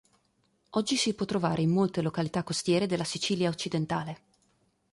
Oggi si può trovare in molte località costiere della Sicilia occidentale.